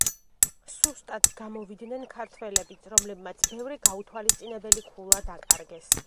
სუსტად გამოვიდნენ ქართველებიც, რომლებმაც ბევრი გაუთვალისწინებელი ქულა დაკარგეს.